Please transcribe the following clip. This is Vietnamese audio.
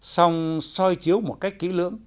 xong soi chiếu một cách kỹ lưỡng